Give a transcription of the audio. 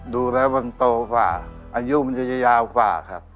ดูแล้วมันโตกว่าอายุมันจะยาวกว่าครับ